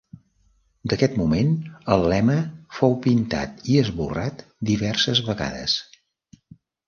D'aquest moment, el lema fou pintat i esborrat diverses vegades.